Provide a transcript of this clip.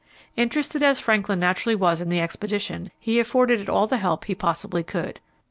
Interested as Franklin naturally was in the expedition, he afforded it all the help he possibly could.